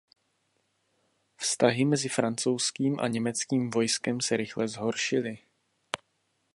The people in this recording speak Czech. Vztahy mezi francouzským a německým vojskem se rychle zhoršily.